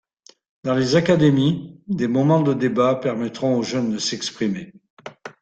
Dans les académies, des moments de débat permettront aux jeunes de s’exprimer.